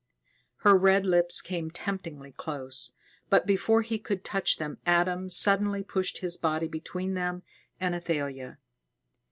Her red lips came temptingly close; but before he could touch them, Adam suddenly pushed his body between him and Athalia.